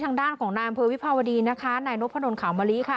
ทางด้านของนานเผื้อวิภาวดีนะคะนายโน๊ตพะดนขาวมะลิค่ะ